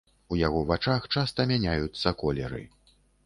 У яго вачах часта мяняюцца колеры.